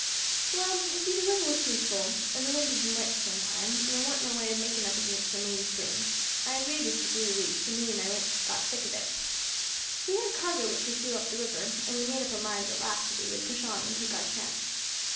"Well, you see, the river was pretty full, and the wind had been light for some time, and there warn't no way of making against the main stream; I had waited for three weeks, and me and my mates got sick of it. We had a cargo which was due up the river, and we made up our minds at last that we would push on and take our chance.